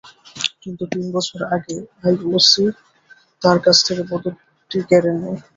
কিন্তু তিন বছর আগে আইওসি তাঁর কাছ থেকে পদকটি কেড়ে নেয়।